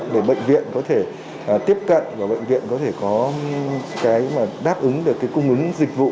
để bệnh viện có thể tiếp cận và bệnh viện có thể có cái đáp ứng được cái cung ứng dịch vụ